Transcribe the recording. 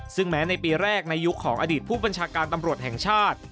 ซึ่งแม้ในปีแรกในยุคของอดีตผู้บัญชาการตำรวจแห่งชาติ